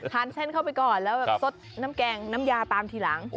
เส้นเข้าไปก่อนแล้วแบบสดน้ำแกงน้ำยาตามทีหลัง